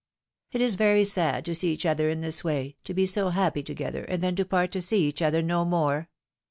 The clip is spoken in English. ^^ It is very sad to see each other in this way, to be so happy together, and then to part to see each other no more.